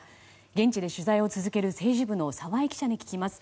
現地で取材を続ける政治部の澤井記者に話を聞きます。